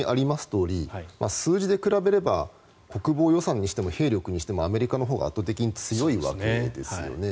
とおり数字で比べれば国防予算にしても兵力にしてもアメリカのほうが圧倒的に強いわけですよね。